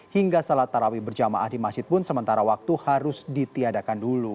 hingga salat tarawih berjamaah di masjid pun sementara waktu harus ditiadakan dulu